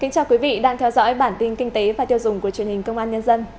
chào mừng quý vị đến với bản tin kinh tế và tiêu dùng của truyền hình công an nhân dân